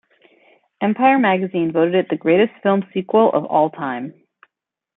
"Empire" magazine voted it the 'Greatest Film Sequel Of All Time'.